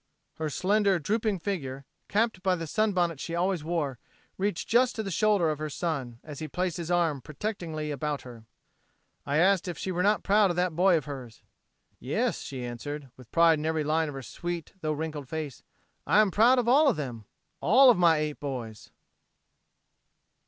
Her slender, drooping figure, capped by the sunbonnet she always wore, reached just to the shoulder of her son, as he placed his arm protectingly about her. I asked if she were not proud of that boy of hers. "Yes," she answered, with pride in every line of her sweet though wrinkled face, "I am proud of all of them all of my eight boys!"